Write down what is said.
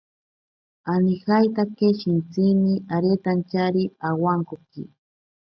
Anijeitake shintsini aretantyari awankoki.